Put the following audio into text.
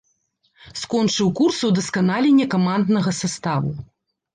Скончыў курсы ўдасканалення каманднага саставу.